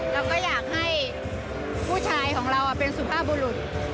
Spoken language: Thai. เราก็อยากให้ผู้ชายของเราเป็นสุภาพบุรุษ